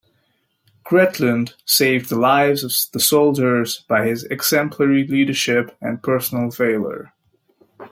Gretlund saved the lives of the soldiers by his exemplary leadership and personal valour.